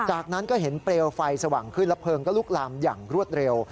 จากนั้นก็เห็นเปลวไฟสว่างขึ้นแล้วเพลิงก็ลุกลามอย่างรวดเร็ว